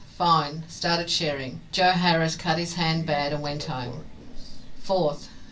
Fine. Started shering. Joe Harris cut his hand bad and wint hoam. 4th.